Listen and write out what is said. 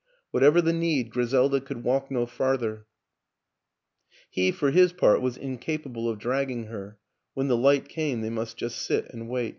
Whatever the need, Griselda could walk no farther; he, for his part, was incapable of dragging her; when the light came they must just sit and wait.